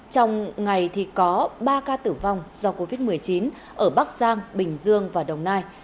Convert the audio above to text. trong ngày thì có ba ca tử vong do covid một mươi chín ở bắc giang bình dương và đồng nai